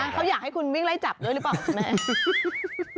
เขาอยากให้คุณวิ่งไล่จับด้วยหรือเปล่าคุณแม่